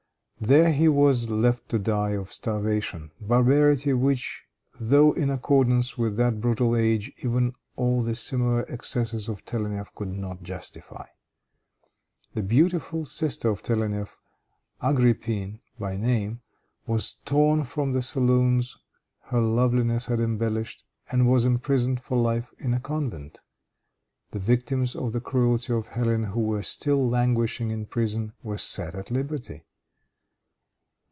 There he was left to die of starvation barbarity, which, though in accordance with that brutal age, even all the similar excesses of Telennef could not justify. The beautiful sister of Telennef, Agrippene by name, was torn from the saloons her loveliness had embellished, and was imprisoned for life in a convent. The victims of the cruelty of Hélène, who were still languishing in prison, were set at liberty.